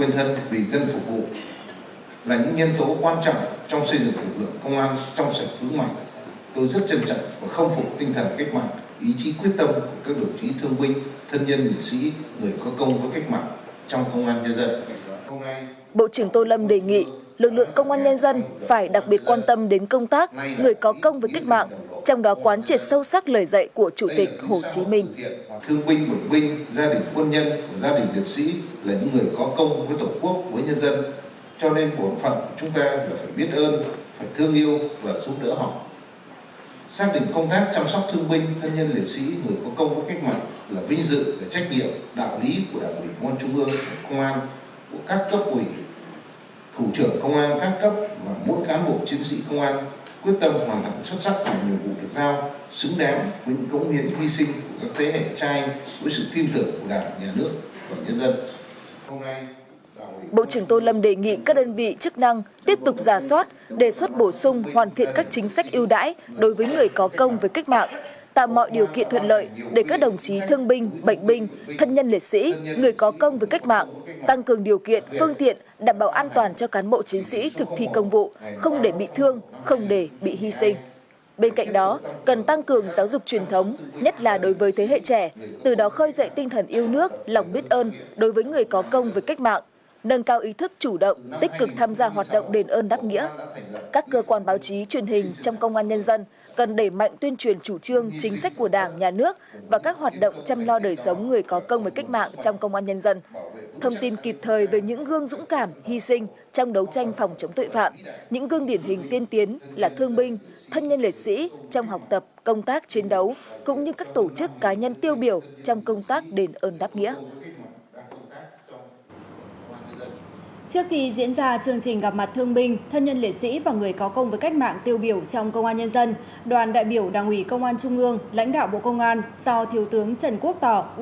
thay mặt đảng ủy công an trung ương lãnh đạo bộ công an trung ương lãnh đạo bộ công an trung ương đồng thời ghi nhận đánh giá cao kết quả hoạt động đền ơn đáp nghĩa của công an các đơn vị địa phương thời gian qua